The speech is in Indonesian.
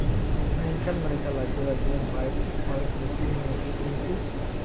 Mainkan mereka lagu-lagu yang baik oleh The Singing Nun.